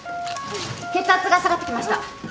血圧が下がってきました。